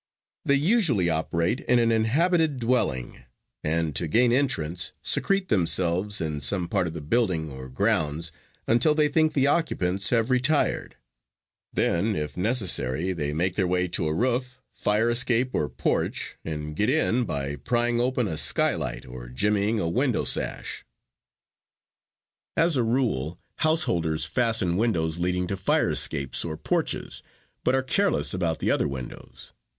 They usually operate in an inhabited dwelling, and to gain entrance, secrete themselves in some part of the building or grounds until they think the occupants have retired; then, if necessary, they make their way to a roof, fire escape or porch, and get in by prying open a skylight or jimmying a window sash. "As a rule, householders fasten windows leading to fire escapes or porches, but are careless about the other windows.